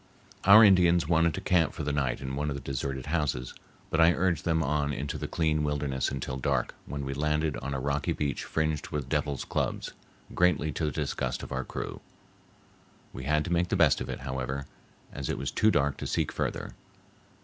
Our Indians wanted to camp for the night in one of the deserted houses, but I urged them on into the clean wilderness until dark, when we landed on a rocky beach fringed with devil's clubs, greatly to the disgust of our crew. We had to make the best of it, however, as it was too dark to seek farther.